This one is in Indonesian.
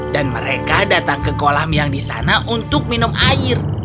dan mereka datang ke kolam yang di sana untuk minum air